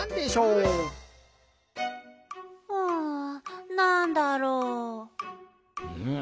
うんなんだろう？